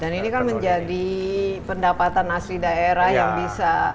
dan ini kan menjadi pendapatan asli daerah yang bisa